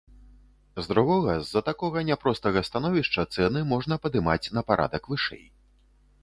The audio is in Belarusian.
З другога, з-за такога няпростага становішча цэны можна падымаць на парадак вышэй.